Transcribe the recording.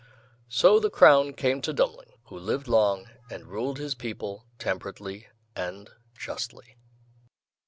So the crown came to Dummling, who lived long, and ruled his people temperately and justly.